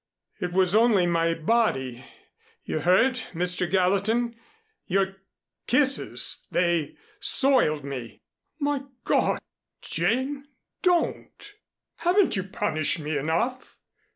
It was only my body you hurt, Mr. Gallatin your kisses they soiled me " "My God, Jane! Don't! Haven't you punished me enough?